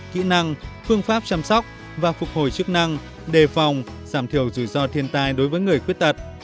kỹ năng phương pháp chăm sóc và phục hồi chức năng đề phòng giảm thiểu rủi ro thiên tai đối với người khuyết tật